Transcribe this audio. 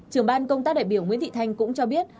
trưởng ban công tác đại biểu nguyễn thị thanh cũng cho biết